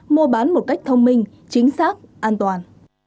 mua bán một cách thông minh chính xác an toàn